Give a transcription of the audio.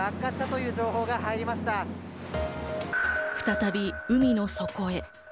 再び海の底へ。